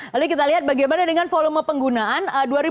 lalu kita lihat bagaimana dengan volume penggunaan